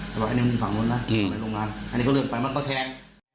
แล้วไอ้เนี้ยมันอยู่ฝั่งโน้นน่ะอืมอันนี้ก็เลือกไปมันก็แทง